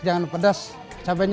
anda memang membutuhkan sayangnya